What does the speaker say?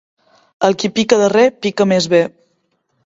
El qui pica darrer, pica més bé.